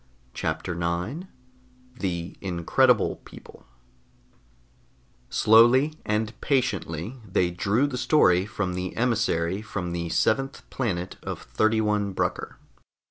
CHAPTER 9 THE INCREDIBLE PEOPLE Slowly and patiently they drew the story from the emissary from the seventh planet of 31 Brucker.